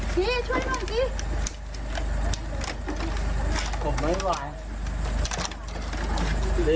พี่ช่วยหน่อยพี่